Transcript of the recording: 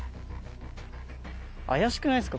怪しくないすか？